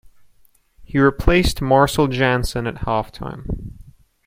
He replaced Marcell Jansen at half-time.